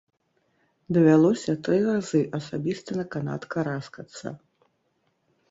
Давялося тры разы асабіста на канат караскацца.